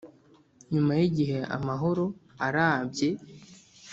nyuma yigihe amahoro arabye,